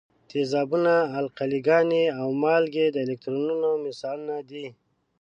تیزابونه، القلي ګانې او مالګې د الکترولیتونو مثالونه دي.